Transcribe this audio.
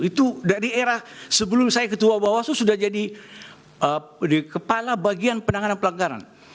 itu dari era sebelum saya ketua bawaslu sudah jadi kepala bagian penanganan pelanggaran